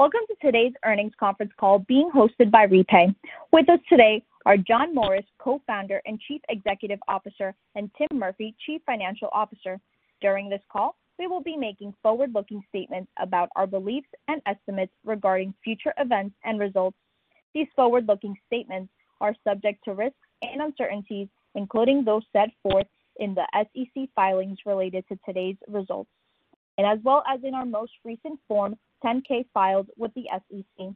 Welcome to today's earnings conference call being hosted by REPAY. With us today are John Morris, Co-Founder and Chief Executive Officer, and Tim Murphy, Chief Financial Officer. During this call, we will be making forward-looking statements about our beliefs and estimates regarding future events and results. These forward-looking statements are subject to risks and uncertainties, including those set forth in the SEC filings related to today's results, and as well as in our most recent Form 10-K filed with the SEC.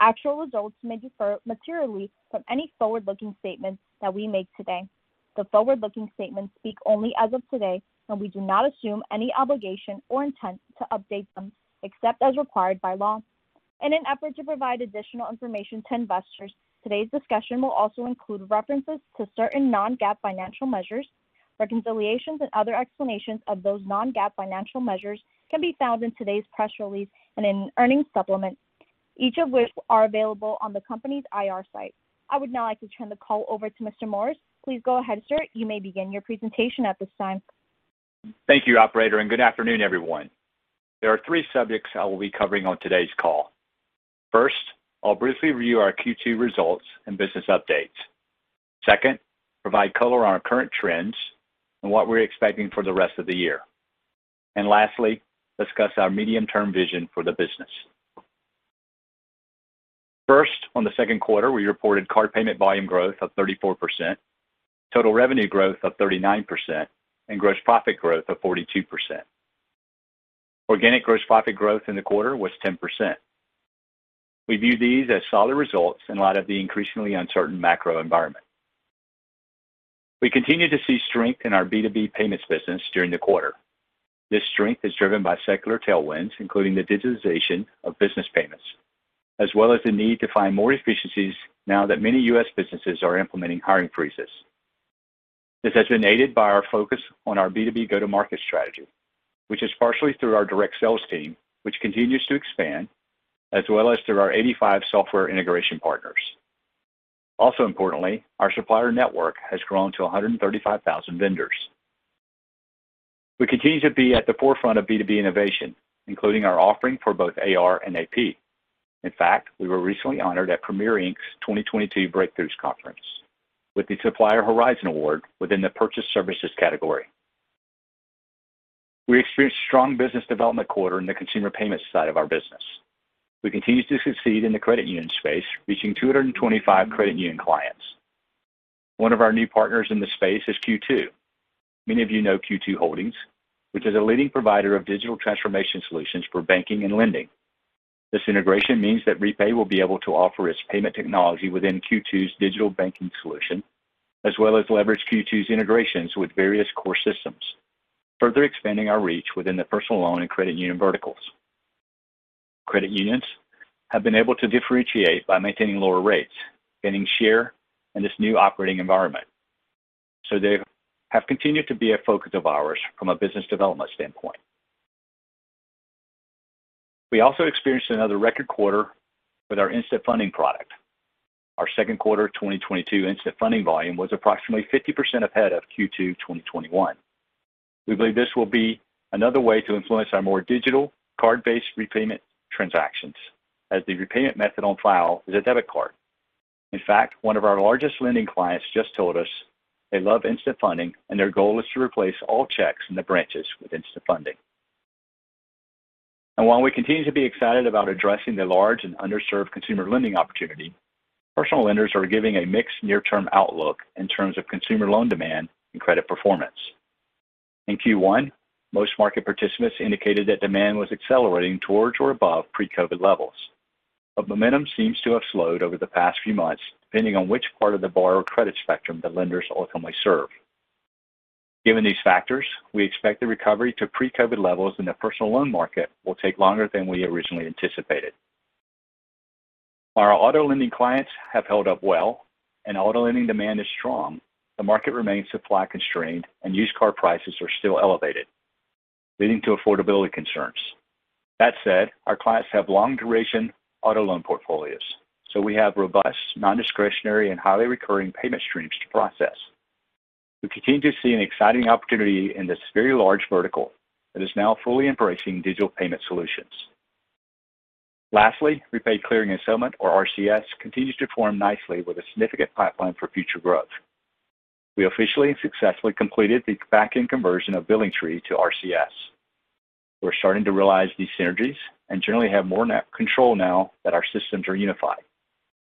Actual results may differ materially from any forward-looking statements that we make today. The forward-looking statements speak only as of today, and we do not assume any obligation or intent to update them except as required by law. In an effort to provide additional information to investors, today's discussion will also include references to certain non-GAAP financial measures. Reconciliations and other explanations of those non-GAAP financial measures can be found in today's press release and in earnings supplement, each of which are available on the company's IR site. I would now like to turn the call over to Mr. Morris. Please go ahead, sir. You may begin your presentation at this time. Thank you, operator, and good afternoon, everyone. There are three subjects I will be covering on today's call. First, I'll briefly review our Q2 results and business updates. Second, provide color on our current trends and what we're expecting for the rest of the year. Lastly, discuss our medium-term vision for the business. First, on the second quarter, we reported card payment volume growth of 34%, total revenue growth of 39%, and gross profit growth of 42%. Organic gross profit growth in the quarter was 10%. We view these as solid results in light of the increasingly uncertain macro environment. We continue to see strength in our B2B payments business during the quarter. This strength is driven by secular tailwinds, including the digitization of business payments, as well as the need to find more efficiencies now that many U.S. businesses are implementing hiring freezes. This has been aided by our focus on our B2B go-to-market strategy, which is partially through our direct sales team, which continues to expand, as well as through our 85 software integration partners. Also importantly, our supplier network has grown to 135,000 vendors. We continue to be at the forefront of B2B innovation, including our offering for both AR and AP. In fact, we were recently honored at Premier, Inc.'s 2022 Breakthroughs Conference with the Supplier Horizon Award within the purchase services category. We experienced strong business development quarter in the consumer payments side of our business. We continue to succeed in the credit union space, reaching 225 credit union clients. One of our new partners in this space is Q2. Many of you know Q2 Holdings, which is a leading provider of digital transformation solutions for banking and lending. This integration means that REPAY will be able to offer its payment technology within Q2's digital banking solution, as well as leverage Q2's integrations with various core systems, further expanding our reach within the personal loan and credit union verticals. Credit unions have been able to differentiate by maintaining lower rates, gaining share in this new operating environment. They have continued to be a focus of ours from a business development standpoint. We also experienced another record quarter with our Instant Funding product. Our second quarter 2022 Instant Funding volume was approximately 50% ahead of Q2 2021. We believe this will be another way to influence our more digital card-based repayment transactions as the repayment method on file is a debit card. In fact, one of our largest lending clients just told us they love Instant Funding and their goal is to replace all checks in the branches with Instant Funding. While we continue to be excited about addressing the large and underserved consumer lending opportunity, personal lenders are giving a mixed near-term outlook in terms of consumer loan demand and credit performance. In Q1, most market participants indicated that demand was accelerating towards or above pre-COVID levels, but momentum seems to have slowed over the past few months, depending on which part of the borrower credit spectrum the lenders ultimately serve. Given these factors, we expect the recovery to pre-COVID levels in the personal loan market will take longer than we originally anticipated. Our auto lending clients have held up well, and auto lending demand is strong. The market remains supply constrained, and used car prices are still elevated, leading to affordability concerns. That said, our clients have long duration auto loan portfolios, so we have robust non-discretionary and highly recurring payment streams to process. We continue to see an exciting opportunity in this very large vertical that is now fully embracing digital payment solutions. Lastly, REPAY Clearing and Settlement or RCS continues to form nicely with a significant pipeline for future growth. We officially and successfully completed the back-end conversion of BillingTree to RCS. We're starting to realize these synergies and generally have more net control now that our systems are unified.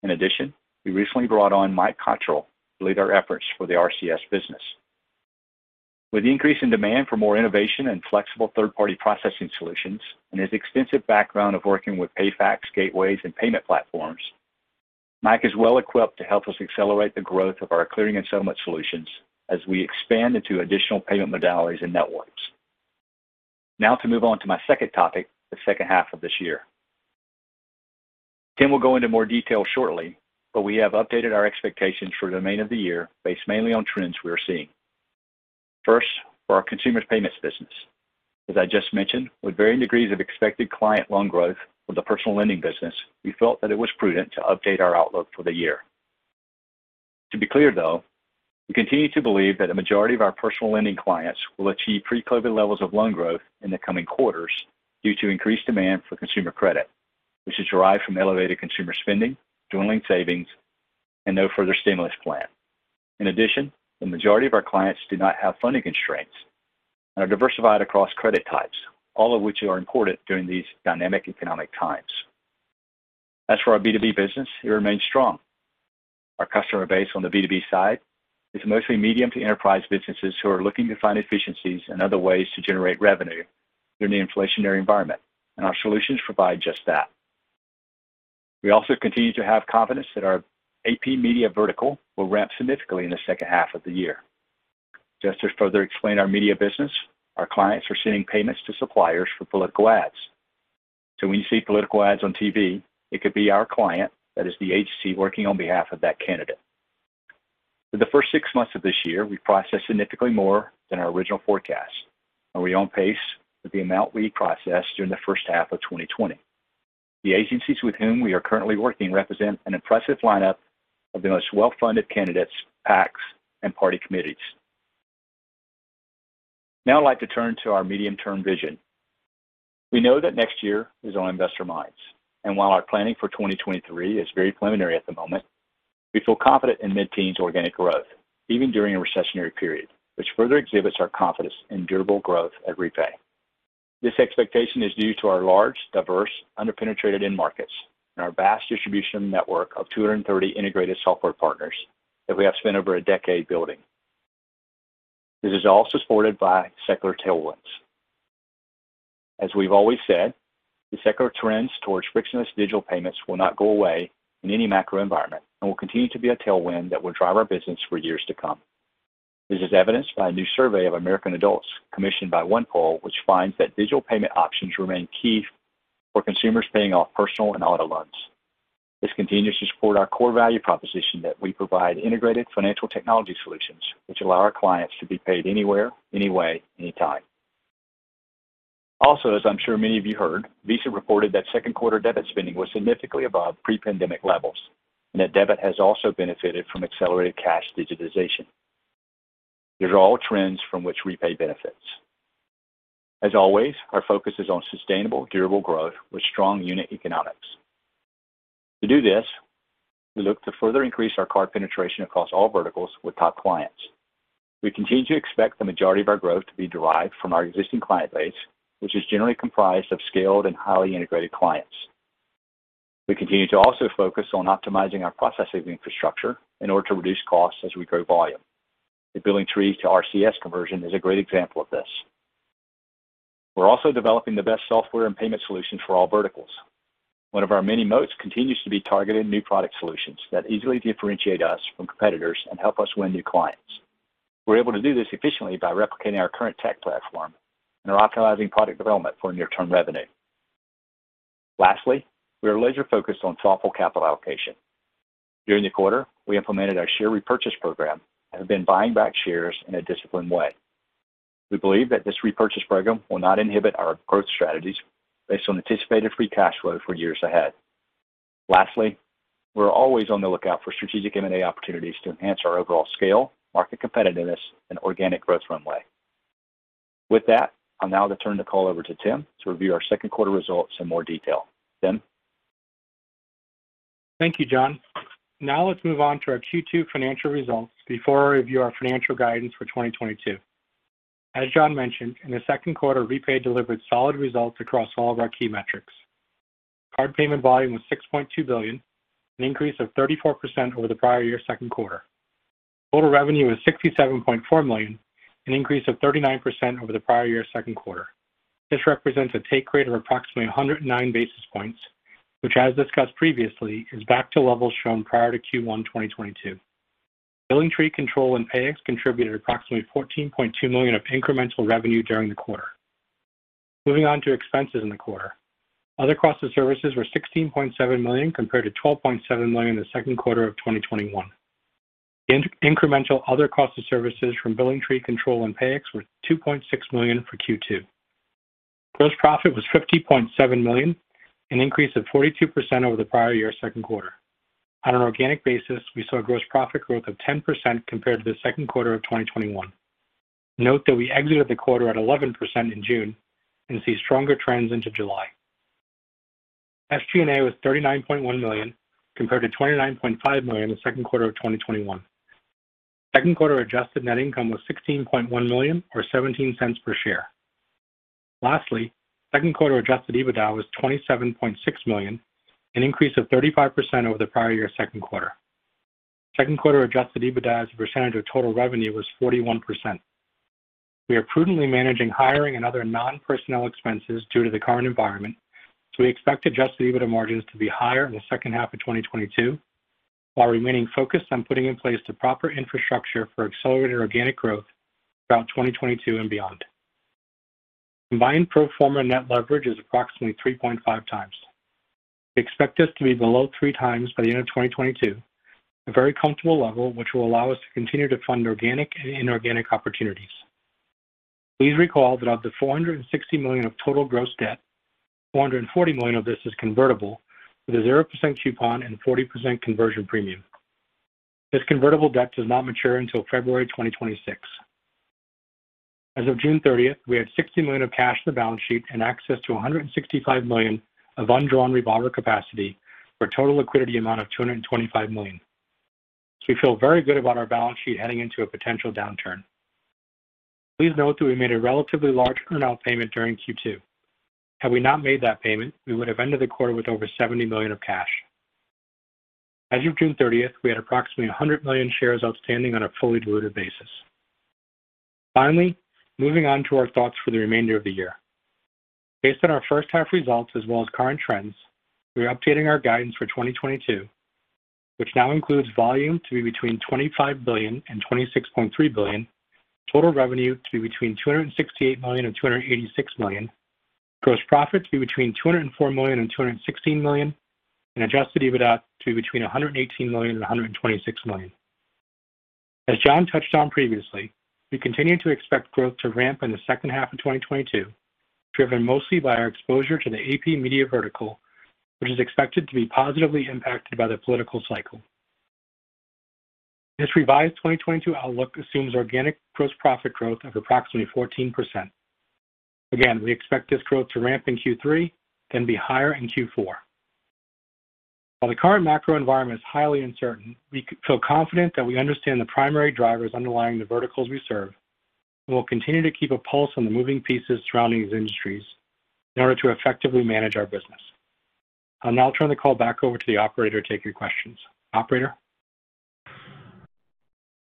In addition, we recently brought on Mike Cottrell to lead our efforts for the RCS business. With the increase in demand for more innovation and flexible third-party processing solutions and his extensive background of working with PayFac gateways and payment platforms, Mike is well equipped to help us accelerate the growth of our clearing and settlement solutions as we expand into additional payment modalities and networks. Now to move on to my second topic, the second half of this year. Tim will go into more detail shortly, but we have updated our expectations for the remainder of the year based mainly on trends we are seeing. First, for our consumer payments business. As I just mentioned, with varying degrees of expected client loan growth for the personal lending business, we felt that it was prudent to update our outlook for the year. To be clear, though, we continue to believe that a majority of our personal lending clients will achieve pre-COVID levels of loan growth in the coming quarters due to increased demand for consumer credit, which is derived from elevated consumer spending, dwindling savings, and no further stimulus plan. In addition, the majority of our clients do not have funding constraints and are diversified across credit types, all of which are important during these dynamic economic times. As for our B2B business, it remains strong. Our customer base on the B2B side is mostly medium to enterprise businesses who are looking to find efficiencies and other ways to generate revenue during the inflationary environment, and our solutions provide just that. We also continue to have confidence that our AP Media vertical will ramp significantly in the second half of the year. Just to further explain our media business, our clients are sending payments to suppliers for political ads. When you see political ads on TV, it could be our client that is the agency working on behalf of that candidate. For the first six months of this year, we processed significantly more than our original forecast, and we're on pace with the amount we processed during the first half of 2020. The agencies with whom we are currently working represent an impressive lineup of the most well-funded candidates, PACs, and party committees. Now I'd like to turn to our medium-term vision. We know that next year is on investor minds, and while our planning for 2023 is very preliminary at the moment, we feel confident in mid-teens organic growth even during a recessionary period, which further exhibits our confidence in durable growth at REPAY. This expectation is due to our large, diverse, under-penetrated end markets and our vast distribution network of 230 integrated software partners that we have spent over a decade building. This is also supported by secular tailwinds. As we've always said, the secular trends towards frictionless digital payments will not go away in any macro environment and will continue to be a tailwind that will drive our business for years to come. This is evidenced by a new survey of American adults commissioned by OnePoll, which finds that digital payment options remain key for consumers paying off personal and auto loans. This continues to support our core value proposition that we provide integrated financial technology solutions which allow our clients to be paid anywhere, any way, anytime. Also, as I'm sure many of you heard, Visa reported that second quarter debit spending was significantly above pre-pandemic levels, and that debit has also benefited from accelerated cash digitization. These are all trends from which REPAY benefits. As always, our focus is on sustainable, durable growth with strong unit economics. To do this, we look to further increase our card penetration across all verticals with top clients. We continue to expect the majority of our growth to be derived from our existing client base, which is generally comprised of scaled and highly integrated clients. We continue to also focus on optimizing our processing infrastructure in order to reduce costs as we grow volume. The BillingTree to RCS conversion is a great example of this. We're also developing the best software and payment solutions for all verticals. One of our many moats continues to be targeted new product solutions that easily differentiate us from competitors and help us win new clients. We're able to do this efficiently by replicating our current tech platform and are optimizing product development for near-term revenue. Lastly, we are laser-focused on thoughtful capital allocation. During the quarter, we implemented our share repurchase program and have been buying back shares in a disciplined way. We believe that this repurchase program will not inhibit our growth strategies based on anticipated free cash flow for years ahead. Lastly, we're always on the lookout for strategic M&A opportunities to enhance our overall scale, market competitiveness, and organic growth runway. With that, I'll now turn the call over to Tim to review our second quarter results in more detail. Tim? Thank you, John. Now let's move on to our Q2 financial results before I review our financial guidance for 2022. As John mentioned, in the second quarter, REPAY delivered solid results across all of our key metrics. Card payment volume was $6.2 billion, an increase of 34% over the prior-year second quarter. Total revenue was $67.4 million, an increase of 39% over the prior-year second quarter. This represents a take rate of approximately 109 basis points, which, as discussed previously, is back to levels shown prior to Q1 2022. BillingTree, Kontrol, and Payix contributed approximately $14.2 million of incremental revenue during the quarter. Moving on to expenses in the quarter. Other cost of services were $16.7 million, compared to $12.7 million in the second quarter of 2021. Incremental other cost of services from BillingTree, Kontrol, and Payix were $2.6 million for Q2. Gross profit was $50.7 million, an increase of 42% over the prior year second quarter. On an organic basis, we saw gross profit growth of 10% compared to the second quarter of 2021. Note that we exited the quarter at 11% in June and see stronger trends into July. SG&A was $39.1 million, compared to $29.5 million in the second quarter of 2021. Second quarter adjusted net income was $16.1 million or $0.17 per share. Lastly, second quarter Adjusted EBITDA was $27.6 million, an increase of 35% over the prior year second quarter. Second quarter Adjusted EBITDA as a percentage of total revenue was 41%. We are prudently managing hiring and other non-personnel expenses due to the current environment, so we expect Adjusted EBITDA margins to be higher in the second half of 2022, while remaining focused on putting in place the proper infrastructure for accelerated organic growth throughout 2022 and beyond. Combined pro forma net leverage is approximately 3.5 times. We expect this to be below 3x by the end of 2022, a very comfortable level which will allow us to continue to fund organic and inorganic opportunities. Please recall that of the $460 million of total gross debt, $440 million of this is convertible with a 0% coupon and 40% conversion premium. This convertible debt does not mature until February 2026. As of June 30, we had $60 million of cash on the balance sheet and access to $165 million of undrawn revolver capacity for a total liquidity amount of $225 million. We feel very good about our balance sheet heading into a potential downturn. Please note that we made a relatively large earnout payment during Q2. Had we not made that payment, we would have ended the quarter with over $70 million of cash. As of June 30th, we had approximately 100 million shares outstanding on a fully diluted basis. Finally, moving on to our thoughts for the remainder of the year. Based on our first half results as well as current trends, we are updating our guidance for 2022, which now includes volume to be between 25 billion and 26.3 billion, total revenue to be between $268 million-$286 million, gross profit to be between $204 million-$216 million, and Adjusted EBITDA to be between $118 million-$126 million. As John touched on previously, we continue to expect growth to ramp in the second half of 2022, driven mostly by our exposure to the AP Media vertical, which is expected to be positively impacted by the political cycle. This revised 2022 outlook assumes organic gross profit growth of approximately 14%. Again, we expect this growth to ramp in Q3, then be higher in Q4. While the current macro environment is highly uncertain, we feel confident that we understand the primary drivers underlying the verticals we serve, and we'll continue to keep a pulse on the moving pieces surrounding these industries in order to effectively manage our business. I'll now turn the call back over to the operator to take your questions. Operator?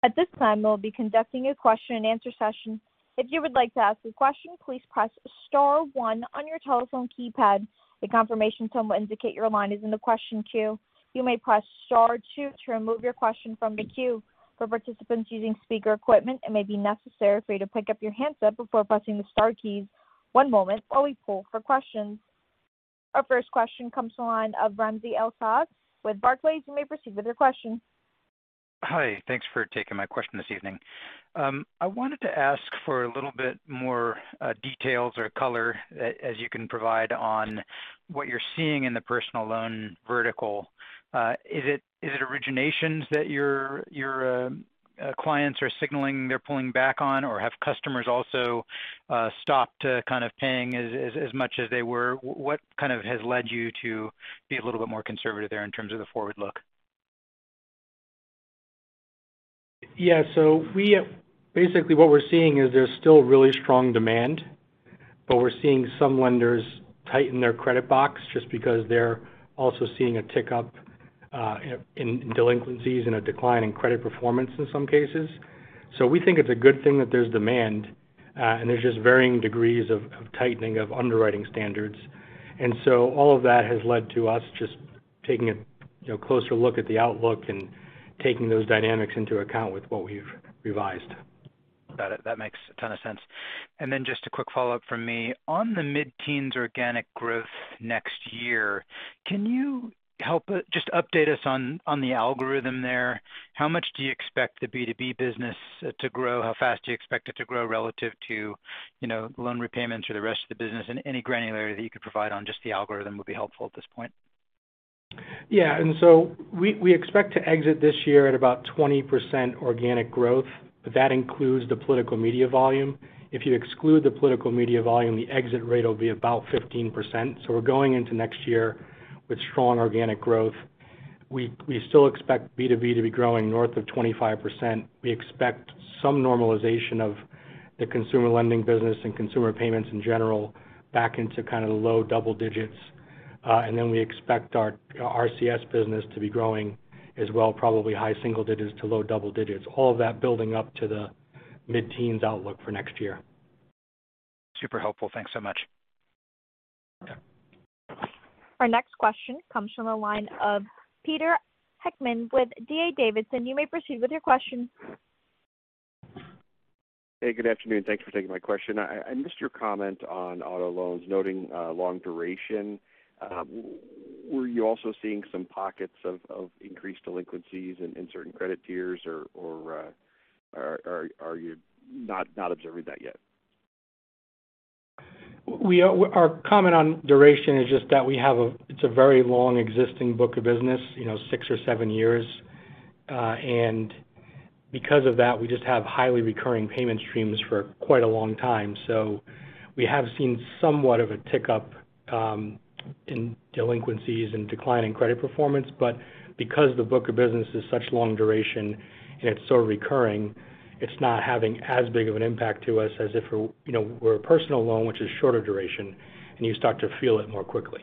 At this time, we'll be conducting a question and answer session. If you would like to ask a question, please press star one on your telephone keypad. A confirmation tone will indicate your line is in the question queue. You may press star two to remove your question from the queue. For participants using speaker equipment, it may be necessary for you to pick up your handset before pressing the star keys. One moment while we poll for questions. Our first question comes to the line of Ramsey El-Assal with Barclays. You may proceed with your question. Hi. Thanks for taking my question this evening. I wanted to ask for a little bit more details or color as you can provide on what you're seeing in the personal loan vertical. Is it originations that your clients are signaling they're pulling back on? Or have customers also stopped kind of paying as much as they were? What kind of has led you to be a little bit more conservative there in terms of the forward look? Yeah. Basically, what we're seeing is there's still really strong demand, but we're seeing some lenders tighten their credit box just because they're also seeing a tick up in delinquencies and a decline in credit performance in some cases. We think it's a good thing that there's demand and there's just varying degrees of tightening of underwriting standards. All of that has led to us just taking a, you know, closer look at the outlook and taking those dynamics into account with what we've revised. Got it. That makes a ton of sense. Just a quick follow-up from me. On the mid-teens organic growth next year, can you just update us on the algorithm there? How much do you expect the B2B business to grow? How fast do you expect it to grow relative to, you know, loan repayments or the rest of the business? Any granularity that you could provide on just the algorithm would be helpful at this point. Yeah. We expect to exit this year at about 20% organic growth, but that includes the political media volume. If you exclude the political media volume, the exit rate will be about 15%. We're going into next year with strong organic growth. We still expect B2B to be growing north of 25%. We expect some normalization of the consumer lending business and consumer payments in general back into kind of the low double digits. We expect our RCS business to be growing as well, probably high single digits to low double digits. All of that building up to the mid-teens outlook for next year. Super helpful. Thanks so much. Okay. Our next question comes from the line of Peter Heckmann with D.A. Davidson. You may proceed with your question. Hey, good afternoon. Thanks for taking my question. I missed your comment on auto loans noting long duration. Were you also seeing some pockets of increased delinquencies in certain credit tiers? Or are you not observing that yet? Our comment on duration is just that we have it's a very long existing book of business, you know, six or seven years. Because of that, we just have highly recurring payment streams for quite a long time. We have seen somewhat of a tick up in delinquencies and decline in credit performance. Because the book of business is such long duration and it's so recurring, it's not having as big of an impact to us as if it were, you know, a personal loan, which is shorter duration, and you start to feel it more quickly.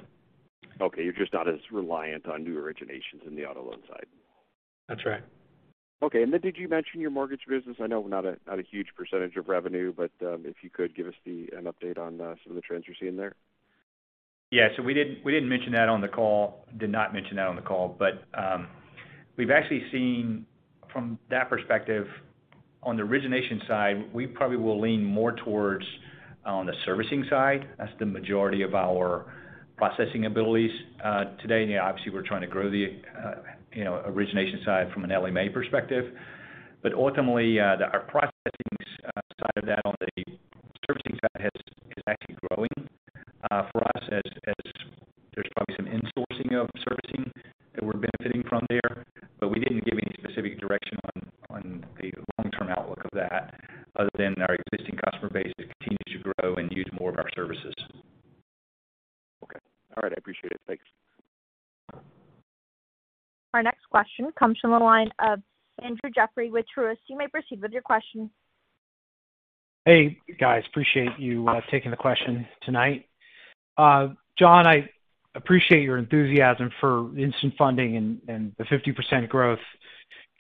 Okay. You're just not as reliant on new originations in the auto loan side. That's right. Okay. Did you mention your mortgage business? I know not a huge percentage of revenue, but if you could give us an update on some of the trends you're seeing there. Yeah. We didn't mention that on the call. We've actually seen from that perspective it. Thanks. Our next question comes from the line of Andrew Jeffrey with Truist. You may proceed with your question. Hey, guys. Appreciate you taking the question tonight. John, I appreciate your enthusiasm for Instant Funding and the 50% growth.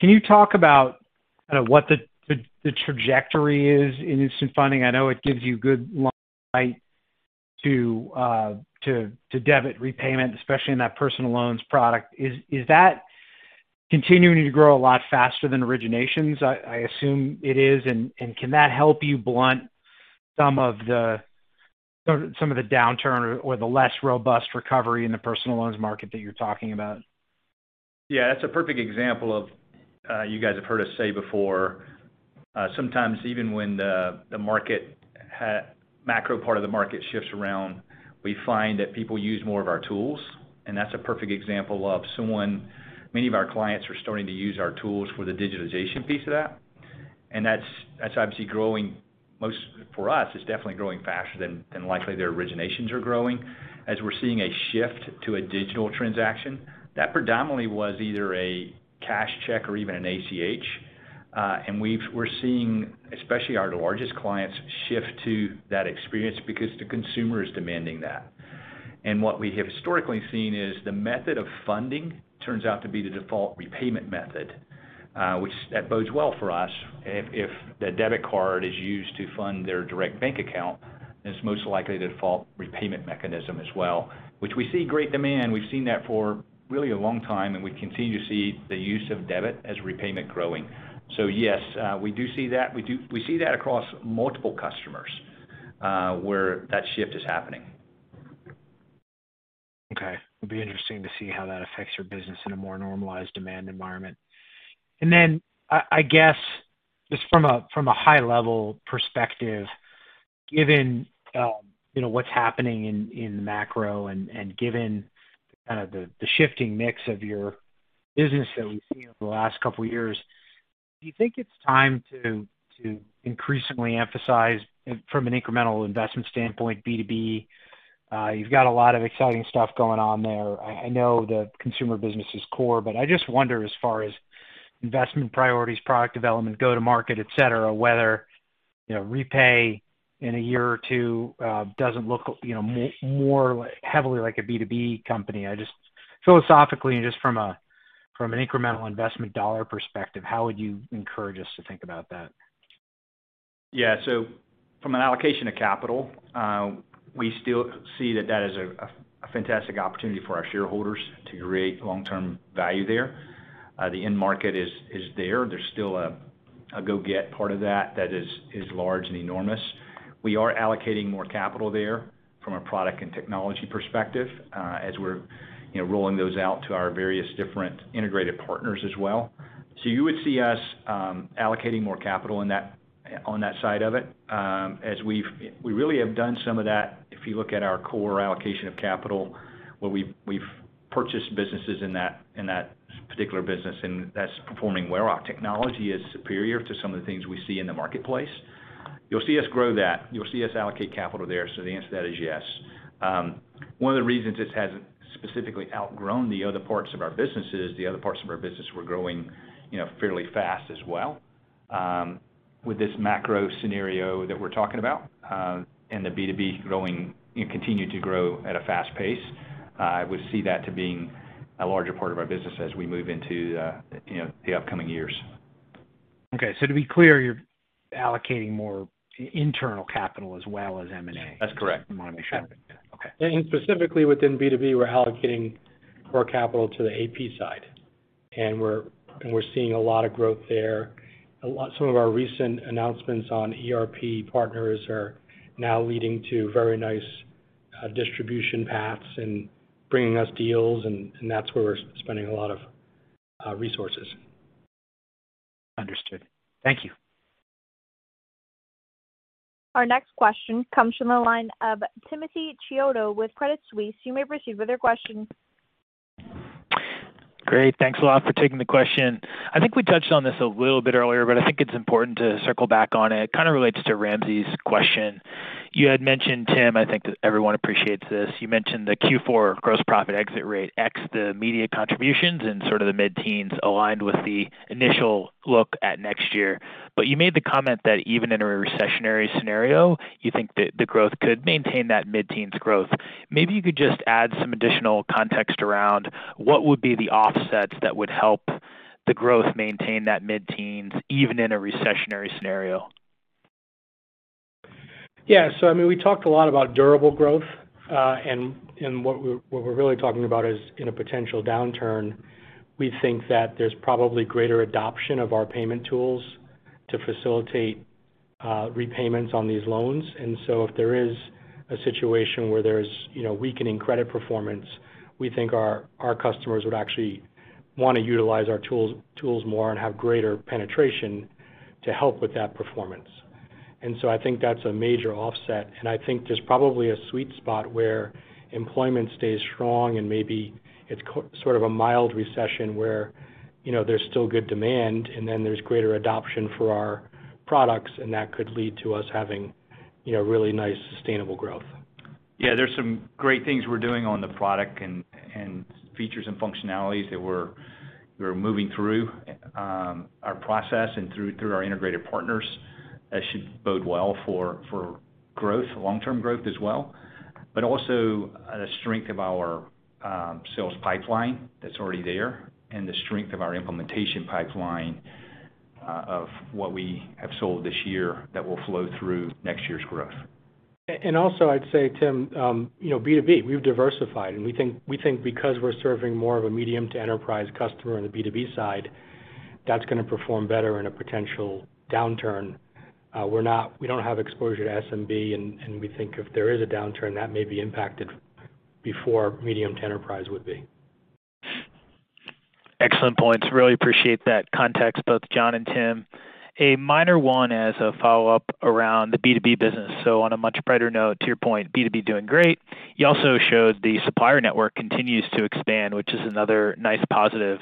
Can you talk about what the trajectory is in Instant Funding? I know it gives you good lead to debit repayment, especially in that personal loans product. Is that continuing to grow a lot faster than originations? I assume it is. Can that help you blunt some of the downturn or the less robust recovery in the personal loans market that you're talking about? Yeah, that's a perfect example of you guys have heard us say before, sometimes even when the market macro part of the market shifts around, we find that people use more of our tools. That's a perfect example of someone. Many of our clients are starting to use our tools for the digitalization piece of that. That's obviously growing most for us, it's definitely growing faster than likely their originations are growing as we're seeing a shift to a digital transaction. That predominantly was either a cash check or even an ACH. We're seeing, especially our largest clients, shift to that experience because the consumer is demanding that. What we have historically seen is the method of funding turns out to be the default repayment method, which that bodes well for us. If the debit card is used to fund their direct bank account, it's most likely the default repayment mechanism as well, which we see great demand. We've seen that for really a long time, and we continue to see the use of debit as repayment growing. Yes, we do see that. We see that across multiple customers, where that shift is happening. Okay. It'll be interesting to see how that affects your business in a more normalized demand environment. I guess just from a high-level perspective, given you know what's happening in the macro and given kinda the shifting mix of your business that we've seen over the last couple years, do you think it's time to increasingly emphasize from an incremental investment standpoint, B2B? You've got a lot of exciting stuff going on there. I know the consumer business is core, but I just wonder as far as investment priorities, product development, go-to-market, et cetera, whether you know REPAY in a year or two doesn't look you know more heavily like a B2B company. I just philosophically and just from an incremental investment dollar perspective, how would you encourage us to think about that? Yeah. From an allocation of capital, we still see that is a fantastic opportunity for our shareholders to create long-term value there. The end market is there. There's still a go get part of that that is large and enormous. We are allocating more capital there from a product and technology perspective, as we're, you know, rolling those out to our various different integrated partners as well. You would see us allocating more capital in that on that side of it. As we've we really have done some of that if you look at our core allocation of capital, where we've purchased businesses in that particular business, and that's performing where our technology is superior to some of the things we see in the marketplace. You'll see us grow that. You'll see us allocate capital there. The answer to that is yes. One of the reasons it hasn't specifically outgrown the other parts of our business is the other parts of our business were growing, you know, fairly fast as well. With this macro scenario that we're talking about, and the B2B growing and continue to grow at a fast pace, I would see that to being a larger part of our business as we move into, you know, the upcoming years. Okay. To be clear, you're allocating more internal capital as well as M&A. That's correct. Just wanna make sure. Okay. Specifically within B2B, we're allocating more capital to the AP side, and we're seeing a lot of growth there. Some of our recent announcements on ERP partners are now leading to very nice distribution paths and bringing us deals, and that's where we're spending a lot of resources. Understood. Thank you. Our next question comes from the line of Timothy Chiodo with Credit Suisse. You may proceed with your question. Great. Thanks a lot for taking the question. I think we touched on this a little bit earlier, but I think it's important to circle back on it. Kind of relates to Ramsey's question. You had mentioned, Tim, I think everyone appreciates this. You mentioned the Q4 gross profit exit rate, ex the media contributions and sort of the mid-teens% aligned with the initial look at next year. You made the comment that even in a recessionary scenario, you think that the growth could maintain that mid-teens% growth. Maybe you could just add some additional context around what would be the offsets that would help the growth maintain that mid-teens% even in a recessionary scenario. Yeah. I mean, we talked a lot about durable growth, and what we're really talking about is, in a potential downturn, we think that there's probably greater adoption of our payment tools. To facilitate repayments on these loans. If there is a situation where there's, you know, weakening credit performance, we think our customers would actually want to utilize our tools more and have greater penetration to help with that performance. I think that's a major offset, and I think there's probably a sweet spot where employment stays strong and maybe it's sort of a mild recession where, you know, there's still good demand and then there's greater adoption for our products, and that could lead to us having, you know, really nice, sustainable growth. Yeah, there's some great things we're doing on the product and features and functionalities that we're moving through our process and through our integrated partners that should bode well for growth, long-term growth as well. Also the strength of our sales pipeline that's already there and the strength of our implementation pipeline of what we have sold this year that will flow through next year's growth. Also I'd say, Tim, you know, B2B, we've diversified and we think because we're serving more of a medium to enterprise customer on the B2B side, that's gonna perform better in a potential downturn. We're not we don't have exposure to SMB and we think if there is a downturn that may be impacted before medium to enterprise would be. Excellent points. Really appreciate that context, both John and Tim. A minor one as a follow-up around the B2B business. On a much brighter note, to your point, B2B doing great. You also showed the supplier network continues to expand, which is another nice positive.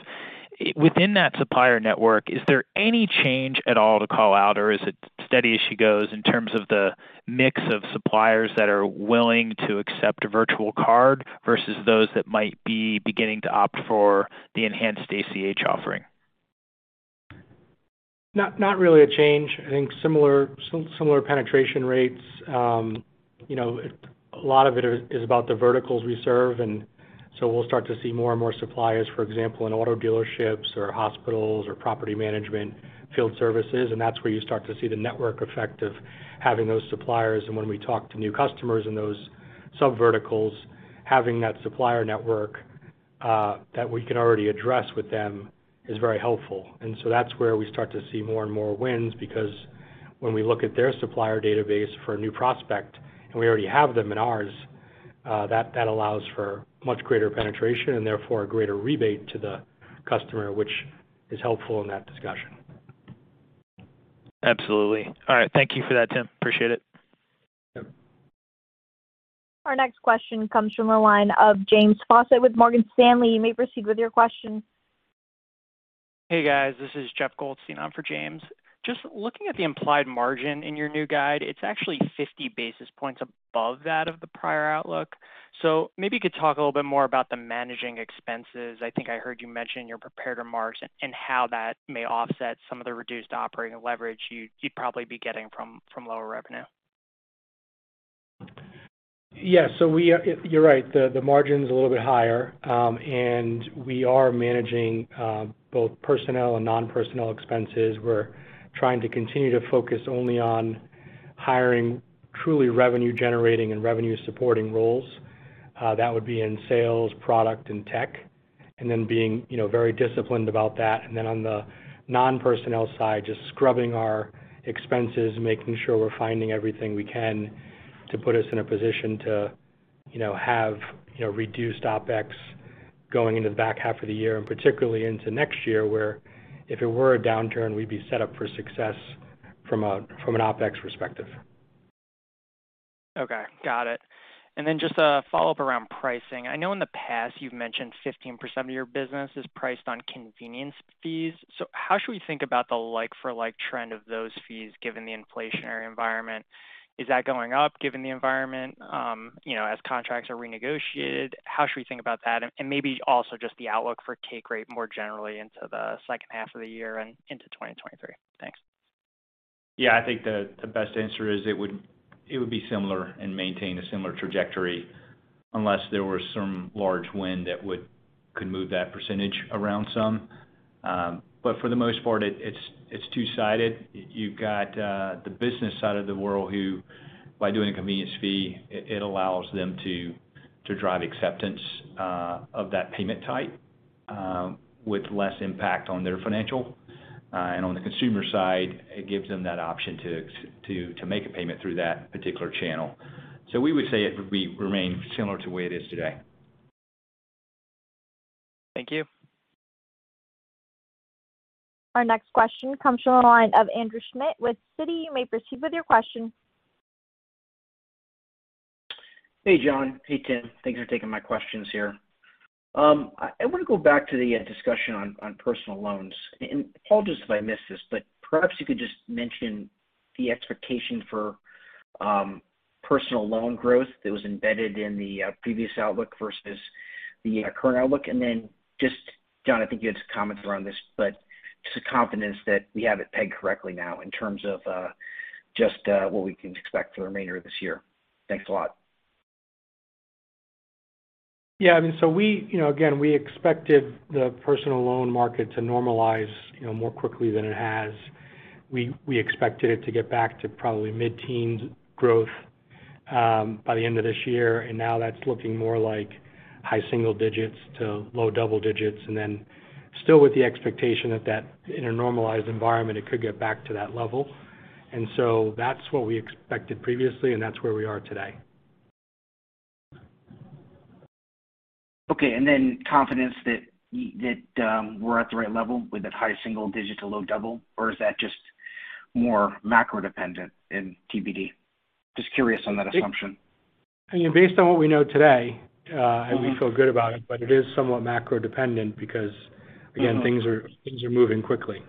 Within that supplier network, is there any change at all to call out, or is it steady as she goes in terms of the mix of suppliers that are willing to accept a virtual card versus those that might be beginning to opt for the Enhanced ACH offering? Not really a change. I think similar penetration rates. You know, a lot of it is about the verticals we serve, so we'll start to see more and more suppliers, for example, in auto dealerships or hospitals or property management field services, and that's where you start to see the network effect of having those suppliers. When we talk to new customers in those subverticals, having that supplier network that we can already address with them is very helpful. That's where we start to see more and more wins because when we look at their supplier database for a new prospect and we already have them in ours, that allows for much greater penetration and therefore a greater rebate to the customer, which is helpful in that discussion. Absolutely. All right. Thank you for that, Tim. Appreciate it. Yeah. Our next question comes from the line of James Faucette with Morgan Stanley. You may proceed with your question. Hey, guys, this is Jeff Goldstein on for James Faucette. Just looking at the implied margin in your new guide, it's actually 50 basis points above that of the prior outlook. Maybe you could talk a little bit more about the managing expenses, I think I heard you mention in your prepared remarks, and how that may offset some of the reduced operating leverage you'd probably be getting from lower revenue. Yes. You're right, the margin's a little bit higher, and we are managing both personnel and non-personnel expenses. We're trying to continue to focus only on hiring truly revenue-generating and revenue-supporting roles. That would be in sales, product, and tech. Being you know very disciplined about that. On the non-personnel side, just scrubbing our expenses, making sure we're finding everything we can to put us in a position to you know have you know reduced OpEx going into the back half of the year and particularly into next year, where if it were a downturn, we'd be set up for success from an OpEx perspective. Okay. Got it. Then just a follow-up around pricing. I know in the past you've mentioned 15% of your business is priced on convenience fees. So how should we think about the like for like trend of those fees given the inflationary environment? Is that going up given the environment? You know, as contracts are renegotiated, how should we think about that? And maybe also just the outlook for take rate more generally into the second half of the year and into 2023. Thanks. Yeah. I think the best answer is it would be similar and maintain a similar trajectory unless there was some large win that would move that percentage around some. For the most part, it's two-sided. You've got the business side of the world who by doing a convenience fee, it allows them to drive acceptance of that payment type with less impact on their financial. On the consumer side, it gives them that option to make a payment through that particular channel. We would say it would remain similar to the way it is today. Thank you. Our next question comes from the line of Andrew Schmidt with Citi. You may proceed with your question. Hey, John. Hey, Tim. Thanks for taking my questions here. I want to go back to the discussion on personal loans. Apologies if I missed this, but perhaps you could just mention the expectation for personal loan growth that was embedded in the previous outlook versus the current outlook. Just, John, I think you had some comments around this, but just the confidence that we have it pegged correctly now in terms of just what we can expect for the remainder of this year. Thanks a lot. Yeah. I mean, we, you know, again, we expected the personal loan market to normalize, you know, more quickly than it has. We expected it to get back to probably mid-teens growth by the end of this year, and now that's looking more like high single digits to low double digits, and then still with the expectation that that in a normalized environment, it could get back to that level. That's what we expected previously, and that's where we are today. Okay. Confidence that we're at the right level with that high single digit to low double, or is that just more macro dependent and TBD? Just curious on that assumption. I mean, based on what we know today. Mm-hmm We feel good about it, but it is somewhat macro dependent because. Mm-hmm Again, things are moving quickly.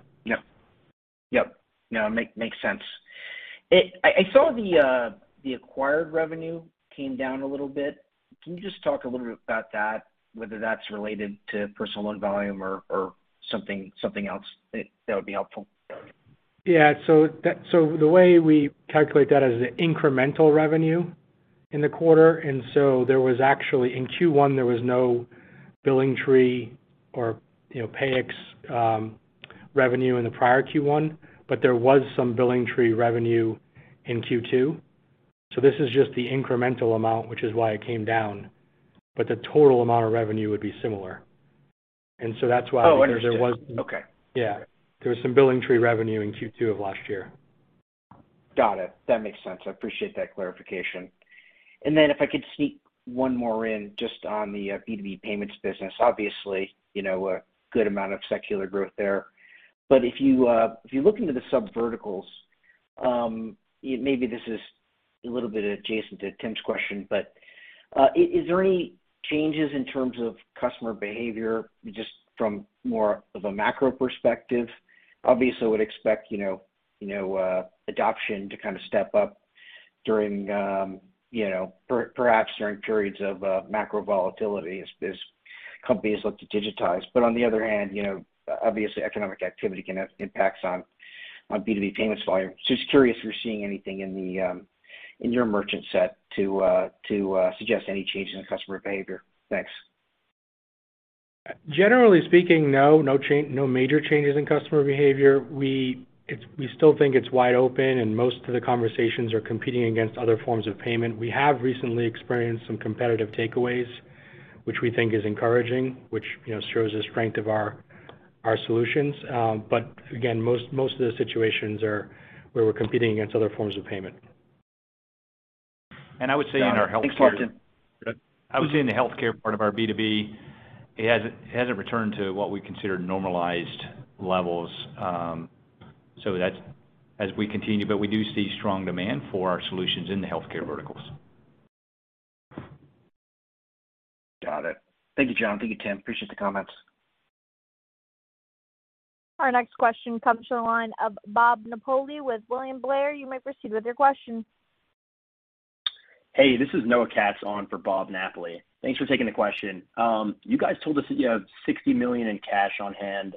Yep. No, it makes sense. I saw the acquired revenue came down a little bit. Can you just talk a little bit about that, whether that's related to personal loan volume or something else? That would be helpful. the way we calculate that is the incremental revenue in the quarter. there was actually in Q1, there was no BillingTree or, you know, Payix revenue in the prior Q1, but there was some BillingTree revenue in Q2. this is just the incremental amount, which is why it came down, but the total amount of revenue would be similar. that's why Oh, understood. Because there was- Okay. Yeah. There was some BillingTree revenue in Q2 of last year. Got it. That makes sense. I appreciate that clarification. Then if I could sneak one more in just on the B2B payments business. Obviously, you know, a good amount of secular growth there. If you look into the subverticals, it may be this is a little bit adjacent to Tim's question, but is there any changes in terms of customer behavior just from more of a macro perspective? Obviously, I would expect, you know, adoption to kind of step up during, you know, perhaps during periods of macro volatility as companies look to digitize. On the other hand, you know, obviously, economic activity can have impacts on B2B payments volume. Just curious if you're seeing anything in your merchant set to suggest any changes in customer behavior. Thanks. Generally speaking, no. No major changes in customer behavior. We still think it's wide open, and most of the conversations are competing against other forms of payment. We have recently experienced some competitive takeaways, which we think is encouraging, which, you know, shows the strength of our solutions. Again, most of the situations are where we're competing against other forms of payment. I would say in our healthcare Got it. Thanks, Martin. I would say in the healthcare part of our B2B, it hasn't returned to what we consider normalized levels, so that's as we continue. We do see strong demand for our solutions in the healthcare verticals. Got it. Thank you, John. Thank you, Tim. Appreciate the comments. Our next question comes from the line of Bob Napoli with William Blair. You may proceed with your question. Hey, this is Noah Katz on for Bob Napoli. Thanks for taking the question. You guys told us that you have $60 million in cash on hand.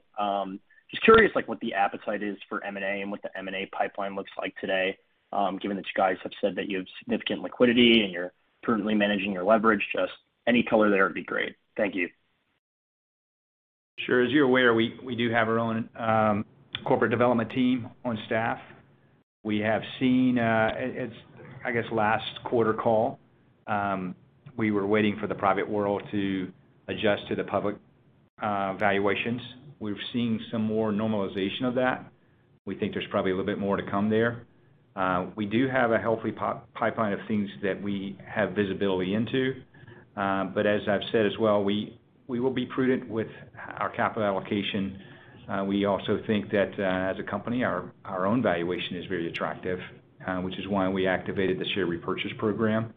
Just curious, like, what the appetite is for M&A and what the M&A pipeline looks like today, given that you guys have said that you have significant liquidity and you're prudently managing your leverage. Just any color there would be great. Thank you. Sure. As you're aware, we do have our own corporate development team on staff. We have seen, I guess, last quarter call, we were waiting for the private world to adjust to the public valuations. We've seen some more normalization of that. We think there's probably a little bit more to come there. We do have a healthy pipeline of things that we have visibility into. But as I've said as well, we will be prudent with our capital allocation. We also think that, as a company, our own valuation is very attractive, which is why we activated the share repurchase program.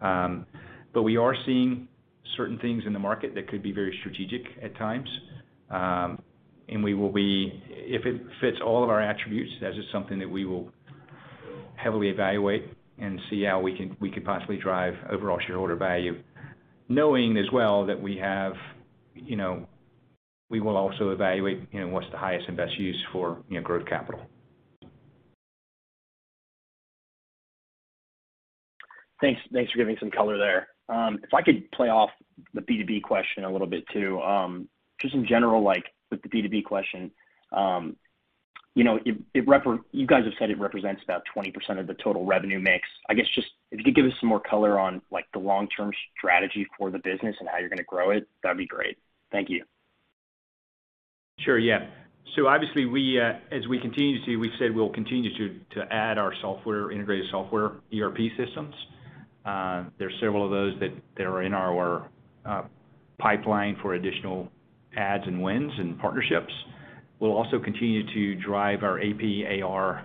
But we are seeing certain things in the market that could be very strategic at times. If it fits all of our attributes, that is something that we will heavily evaluate and see how we could possibly drive overall shareholder value. Knowing as well that we have, you know, we will also evaluate, you know, what's the highest and best use for, you know, growth capital. Thanks for giving some color there. If I could play off the B2B question a little bit too. Just in general, like with the B2B question, you know, you guys have said it represents about 20% of the total revenue mix. I guess just if you could give us some more color on like the long-term strategy for the business and how you're gonna grow it, that'd be great. Thank you. Sure. Yeah. Obviously, as we continue to add our software integrated ERP systems. There's several of those that are in our pipeline for additional adds and wins and partnerships. We'll also continue to drive our AP/AR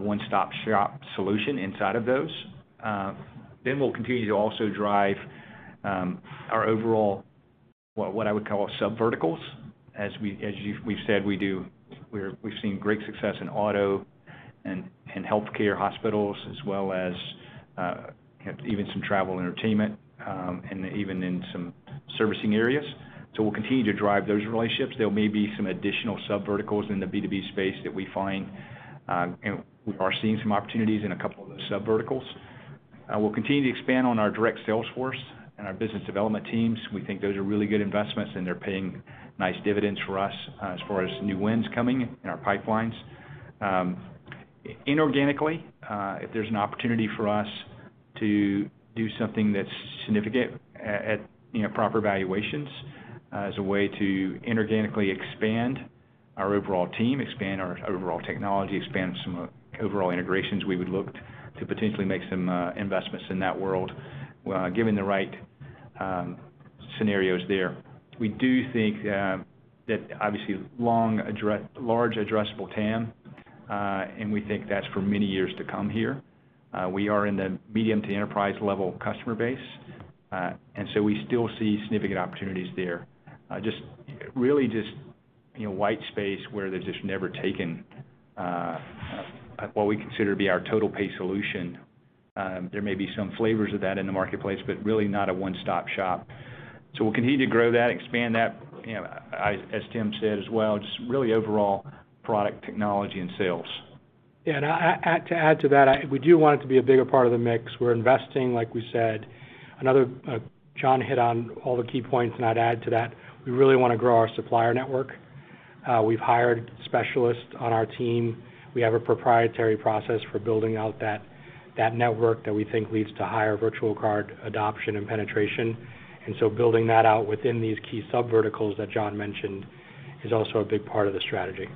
one-stop-shop solution inside of those. We'll continue to drive our overall, what I would call subverticals. As we've said, we've seen great success in auto and healthcare, hospitals, as well as even some travel and entertainment, and even in some servicing areas. We'll continue to drive those relationships. There may be some additional subverticals in the B2B space that we find, and we are seeing some opportunities in a couple of those subverticals. We'll continue to expand on our direct sales force and our business development teams. We think those are really good investments, and they're paying nice dividends for us, as far as new wins coming in our pipelines. Inorganically, if there's an opportunity for us to do something that's significant at, you know, proper valuations, as a way to inorganically expand our overall team, expand our overall technology, expand some overall integrations, we would look to potentially make some investments in that world, given the right scenarios there. We do think that obviously large addressable TAM, and we think that's for many years to come here. We are in the medium to enterprise level customer base. We still see significant opportunities there. Really just, you know, white space where there's just never taken what we consider to be our TotalPay solution. There may be some flavors of that in the marketplace, but really not a one-stop shop. We'll continue to grow that, expand that, you know, as Tim said as well, just really overall product technology and sales. Yeah. To add to that, we do want it to be a bigger part of the mix. We're investing, like we said. John hit on all the key points, and I'd add to that, we really wanna grow our supplier network. We've hired specialists on our team. We have a proprietary process for building out that network that we think leads to higher virtual card adoption and penetration. Building that out within these key subverticals that John mentioned is also a big part of the strategy.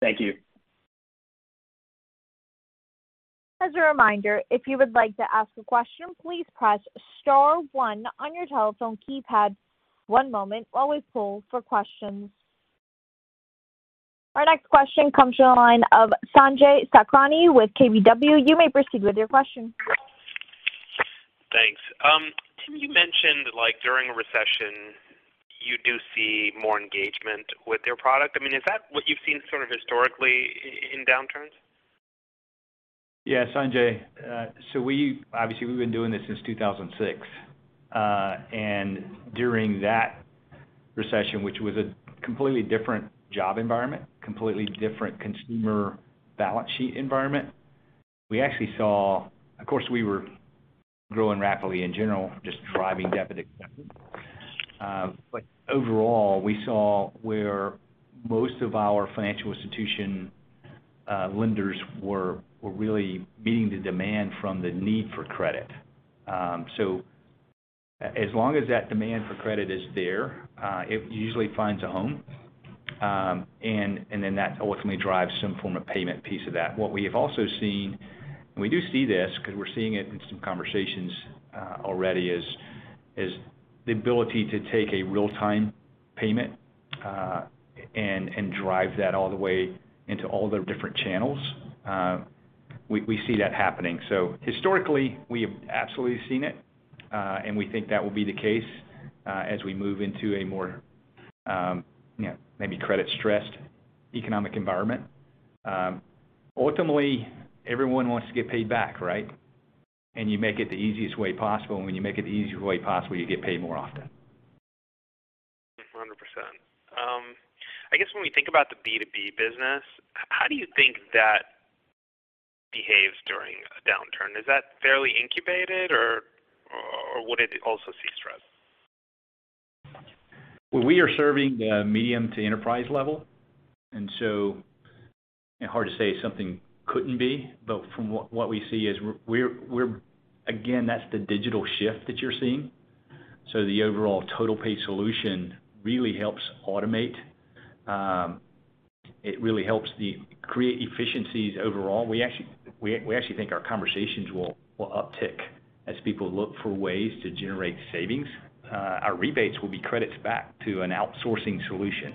Thank you. As a reminder, if you would like to ask a question, please press star one on your telephone keypad. One moment while we poll for questions. Our next question comes from the line of Sanjay Sakhrani with KBW. You may proceed with your question. Thanks. Tim, you mentioned like during a recession, you do see more engagement with your product. I mean, is that what you've seen sort of historically in downturns? Yeah, Sanjay. So we obviously have been doing this since 2006. During that recession, which was a completely different job environment, completely different consumer balance sheet environment, we actually saw. Of course, we were growing rapidly in general, just driving debit acceptance. Overall, we saw where most of our financial institution lenders were really meeting the demand from the need for credit. As long as that demand for credit is there, it usually finds a home. And then that ultimately drives some form of payment piece of that. What we have also seen, and we do see this because we are seeing it in some conversations already, is the ability to take a real-time payment and drive that all the way into all the different channels. We see that happening. Historically, we have absolutely seen it, and we think that will be the case, as we move into a more, you know, maybe credit-stressed economic environment. Ultimately, everyone wants to get paid back, right? You make it the easiest way possible. When you make it the easiest way possible, you get paid more often. 100%. I guess when we think about the B2B business, how do you think that behaves during a downturn? Is that fairly incubated or would it also see stress? We are serving the medium to enterprise level. Hard to say something couldn't be, but from what we see is we're. Again, that's the digital shift that you're seeing. The overall TotalPay solution really helps automate. It really helps create efficiencies overall. We actually think our conversations will uptick as people look for ways to generate savings. Our rebates will be credits back to an outsourcing solution.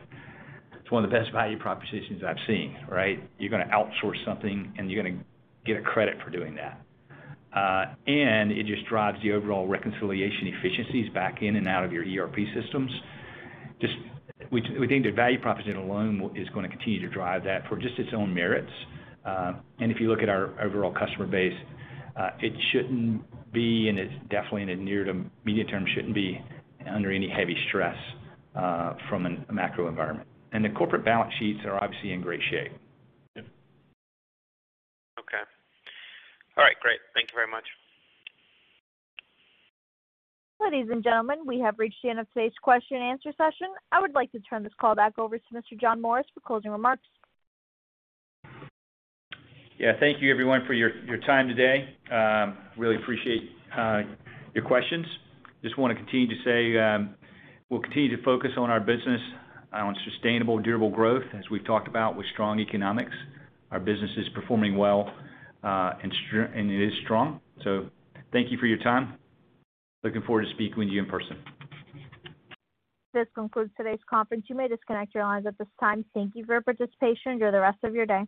It's one of the best value propositions I've seen, right? You're gonna outsource something, and you're gonna get a credit for doing that. It just drives the overall reconciliation efficiencies back in and out of your ERP systems. We think the value proposition alone is gonna continue to drive that for just its own merits. If you look at our overall customer base, it shouldn't be, and it's definitely in the near to medium term, shouldn't be under any heavy stress, from a macro environment. The corporate balance sheets are obviously in great shape. Okay. All right, great. Thank you very much. Ladies and gentlemen, we have reached the end of today's question and answer session. I would like to turn this call back over to Mr. John Morris for closing remarks. Yeah. Thank you everyone for your time today. Really appreciate your questions. Just wanna continue to say we'll continue to focus on our business on sustainable, durable growth as we've talked about with strong economics. Our business is performing well and it is strong. Thank you for your time. Looking forward to speaking with you in person. This concludes today's conference. You may disconnect your lines at this time. Thank you for your participation. Enjoy the rest of your day.